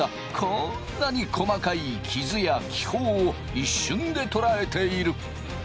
こんなに細かい傷や気泡を一瞬で捉えている。